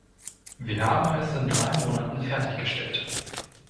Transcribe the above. Wir haben es in drei Monaten fertiggestellt.